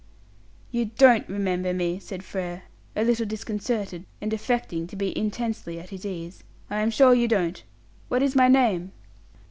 "You don't remember me," said Frere, a little disconcerted, and affecting to be intensely at his ease. "I am sure you don't. What is my name?"